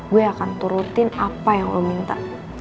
gue akan turutin apa yang lo minta